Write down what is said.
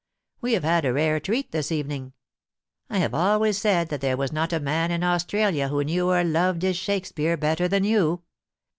We have had a rare treat this evening. I have always said that there was not a man in Australia who knew or loved his Shakespeare better than you.